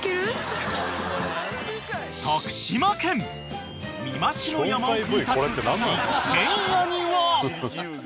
［徳島県美馬市の山奥に立つ一軒家には］